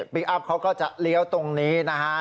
พลิกอัพเค้าก็จะเลี้ยวตรงนเรนะฮะ